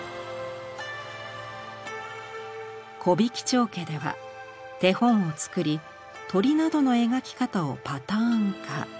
「木挽町家」では手本を作り鳥などの描き方をパターン化。